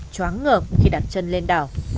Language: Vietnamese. chóng ngợp khi đặt chân lên đảo